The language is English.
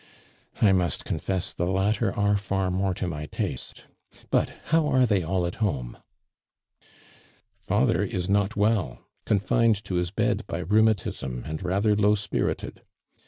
I must confess the latter are far more to my taste; but how are they all at home?" "Father is not well — confined to his bed by rheumatism and rather low spirited.